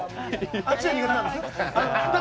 あっちは苦手なんです。